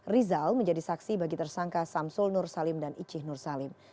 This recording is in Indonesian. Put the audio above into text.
rizal menjadi saksi bagi tersangka samsul nur salim dan icih nur salim